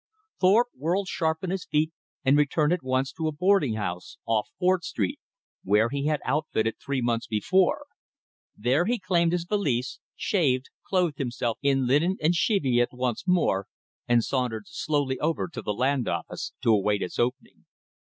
Thorpe whirled sharp on his heel and returned at once to a boarding house off Fort Street, where he had "outfitted" three months before. There he reclaimed his valise, shaved, clothed himself in linen and cheviot once more, and sauntered slowly over to the Land Office to await its opening.